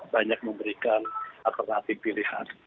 banyak memberikan alternatif pilihan